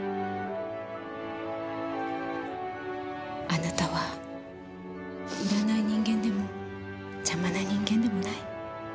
あなたは要らない人間でも邪魔な人間でもない。